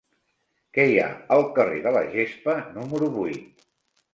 Què hi ha al carrer de la Gespa número vuit?